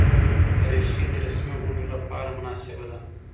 دریشي د رسمي غونډو لپاره مناسبه ده.